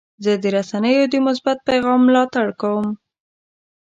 زه د رسنیو د مثبت پیغام ملاتړ کوم.